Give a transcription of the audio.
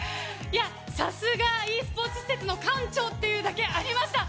さすが、ｅスポーツ施設の館長というだけありました。